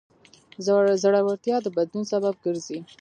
زړورتیا د بدلون سبب ګرځي.